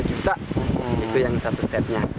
itu yang satu setnya